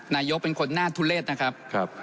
นายกเป็นคนหน้าทุเลศนะครับ